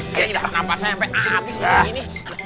ayo mending kita tidak nafasnya sampai habis ini